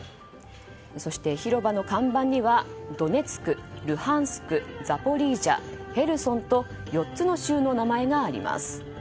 そして、広場の看板にはドネツク・ルハンスク・ザポリージャ・ヘルソンと４つの州の名前があります。